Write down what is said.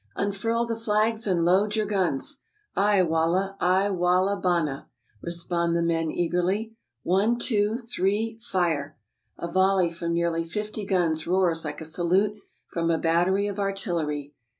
" Unfurl the flags and load your guns! "" Ay wallah, ay wallah bana! " respond the men eagerly. "One, two, three — fire! " A volley from nearly fifty guns roars like a salute from a battery of artillery.